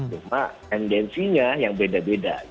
cuma tendensinya yang beda beda